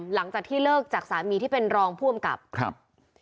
หลังจากที่เลิกจากสามีที่เป็นรองผู้อำกับครับ